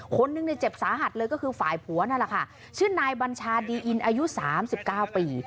คนหนึ่งในเจ็บสาหัสเลยก็คือฝ่ายผัวนั่นแหละค่ะชื่อนายบัญชาดีอินอายุ๓๙ปี